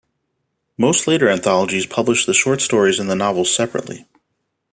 Most later anthologies published the short stories and the novels separately.